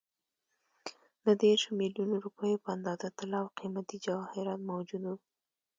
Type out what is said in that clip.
د دېرشو میلیونو روپیو په اندازه طلا او قیمتي جواهرات موجود وو.